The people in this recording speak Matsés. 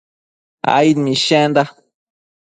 aid mishenda